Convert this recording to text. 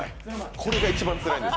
これが一番つらいんです。